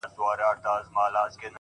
اختر نژدې دی،